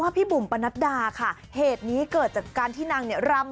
เพื่องานจะเข้าบ้าง